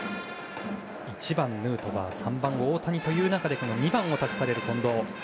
１番、ヌートバー３番、大谷という中で２番を託される近藤。